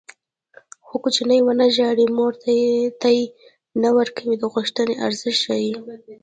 څو کوچنی ونه ژاړي مور تی نه ورکوي د غوښتنې ارزښت ښيي